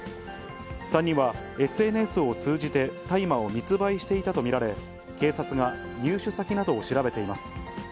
３人は、ＳＮＳを通じて大麻を密売していたと見られ、警察が入手先などを調べています。